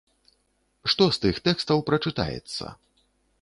Што з тых тэкстаў прачытаецца?